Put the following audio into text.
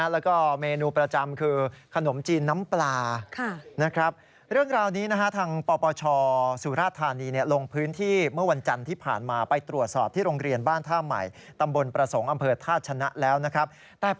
แล้วก็เมนูประจำคือขนมจินน้ำปลา